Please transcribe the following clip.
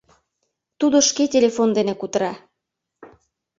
Тудо шке телефон дене кутыра.